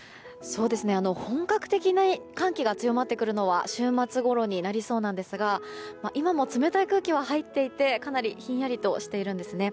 本格的に寒気が強まってくるのは週末ごろになりそうなんですが今も冷たい空気は入っていてひんやりはしているんですね。